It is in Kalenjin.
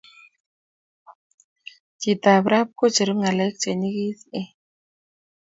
cheet ap rap kocheru ngalek chenyikisen